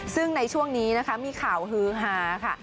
ซึ่งในช่วงนี้นะคะมีข่าวฮือฮาค่ะ